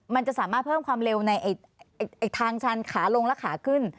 มันจะสามารถเพิ่มความเร็วในทางชันขาลงและขาขึ้น